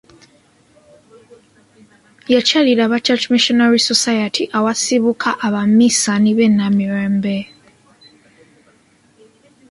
Yakyalira aba Church Missionary Society awasibuka Abaminsani b'e Namirembe.